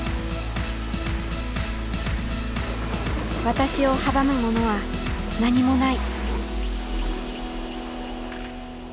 私を阻むものは何もない。